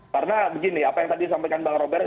karena begini apa yang tadi disampaikan bang robert